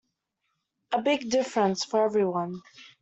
A big difference for everyone.